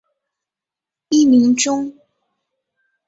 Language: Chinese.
艺名中。